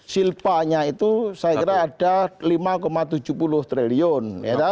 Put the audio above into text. silpanya itu saya kira ada lima tujuh puluh triliun